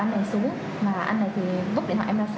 mà anh này thì bút điện thoại em ra xa con người